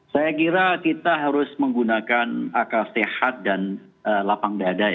saya kira kita harus menggunakan akal sehat dan lapang dada